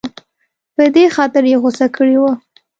په دې خاطر یې غوسه کړې وه.